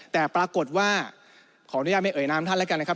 แต่ปรากฏว่าขออนุญาตไม่เอ่ยนามท่านแล้วกันนะครับ